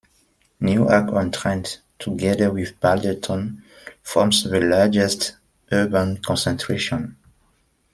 Newark-on-Trent, together with Balderton, forms the largest urban concentration.